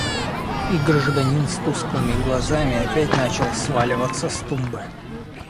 И гражданин с тусклыми глазами опять начал сваливаться с тумбы.